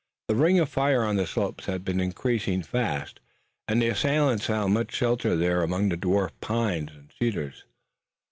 The ring of fire on the slopes had been increasing fast, and the assailants found much shelter there among the dwarf pines and cedars.